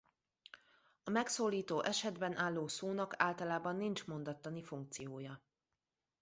A megszólító esetben álló szónak általában nincs mondattani funkciója.